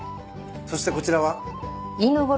そしてこちらは？